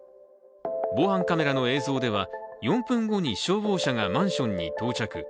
防犯カメラの映像では、４分後に消防車がマンションに到着。